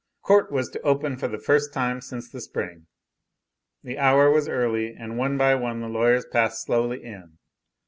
Court was to open for the first time since the spring. The hour was early, and one by one the lawyers passed slowly in.